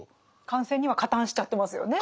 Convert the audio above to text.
感染には加担しちゃってますよね